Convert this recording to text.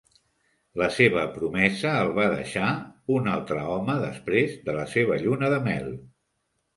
La seva promesa el va deixar un altre home després de la seva lluna de mel.